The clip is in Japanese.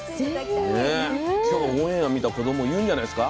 今日オンエアを見た子供言うんじゃないですか？